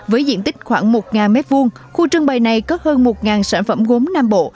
với diện tích khoảng một m hai khu trưng bày này có hơn một sản phẩm gốm nam bộ